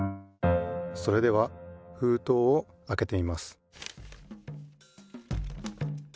それではふうとうをあけてみます。